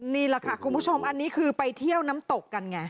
นี่แหละค่ะคุณผู้ชมอันนี้คือไปเที่ยวน้ำตกกันไง